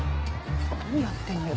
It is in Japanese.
何やってんのよ？